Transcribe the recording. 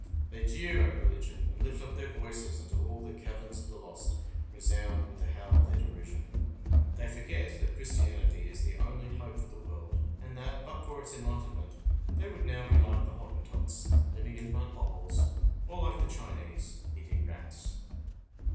They jeer at religion, and lift up their voices until all the caverns of the lost resound with the howl of their derision. They forget that Christianity is the only hope for the world, and that, but for its enlightenment, they would now be like the Hottentots, living in mud hovels, or like the Chinese, eating rats.